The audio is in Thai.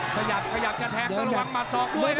ขยับขยับจะแท็กแล้วระวังมัดสองด้วยนะ